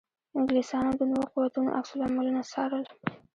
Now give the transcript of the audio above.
انګلیسیانو د نویو قوتونو عکس العملونه څارل.